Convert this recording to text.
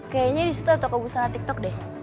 kayaknya di situ toko busana tiktok deh